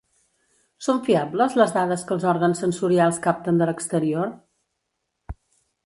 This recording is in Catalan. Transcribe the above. Són fiables les dades que els òrgans sensorials capten de l'exterior?